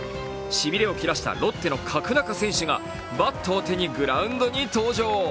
しびれを切らせたロッテの角中選手がバットを手にグラウンドに登場。